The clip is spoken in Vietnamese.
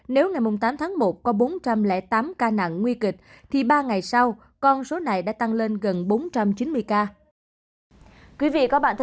nếu ngày tám tháng một có bốn trăm linh tám ca nặng nguy kịch thì ba ngày sau con số này đã tăng lên gần bốn trăm chín mươi ca